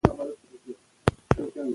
ولې تعلیم مهم دی؟